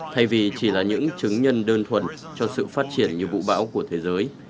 thay vì chỉ là những chứng nhân đơn thuần cho sự phát triển như vũ bão của thế giới